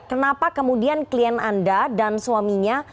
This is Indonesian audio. kenapa kemudian klien anda dan suaminya